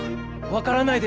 分からない